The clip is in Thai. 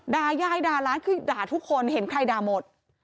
ด่ายายด่าร้านคือด่าทุกคนเห็นใครด่าหมด